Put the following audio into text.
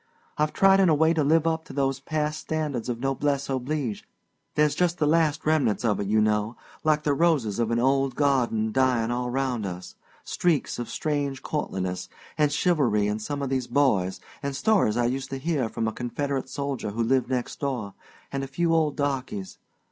I've tried in a way to live up to those past standards of noblesse oblige there's just the last remnants of it, you know, like the roses of an old garden dying all round us streaks of strange courtliness and chivalry in some of these boys an' stories I used to hear from a Confederate soldier who lived next door, and a few old darkies.